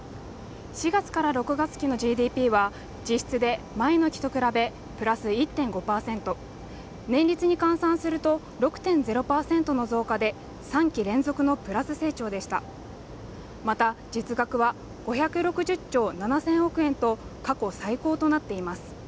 ４月から６月期のＧＤＰは実質で前の期と比べプラス１．５％年率に換算すると６．０％の増加で３期連続のプラス成長でしたまた実額は５６０兆７０００億円と過去最高となっています